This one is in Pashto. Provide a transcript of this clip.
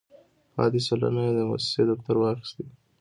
پاتې سلنه یې د موسسې دفتر واخیستې.